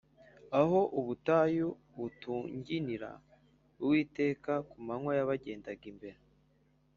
aho ubutayu butanginira. uwiteka ku manywa yabagendaga imbere,